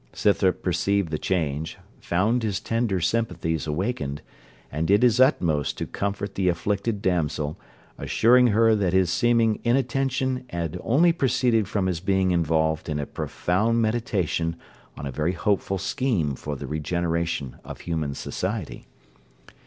Scythrop perceived the change, found his tender sympathies awakened, and did his utmost to comfort the afflicted damsel, assuring her that his seeming inattention had only proceeded from his being involved in a profound meditation on a very hopeful scheme for the regeneration of human society.